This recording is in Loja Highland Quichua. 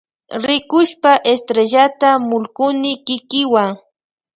Rikushpa estrellata mullkuni kikiwa.